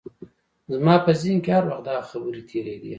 زما په ذهن کې هر وخت دغه خبرې تېرېدې.